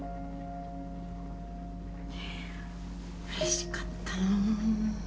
うれしかったなあ。